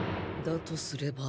だとすれば